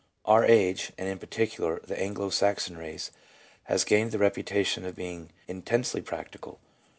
Our age, and in particular the Anglo Saxon race, has gained the reputation of being intensely practical.